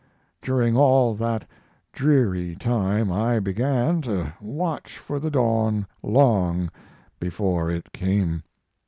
During all that dreary time I began to watch for the dawn long before it came.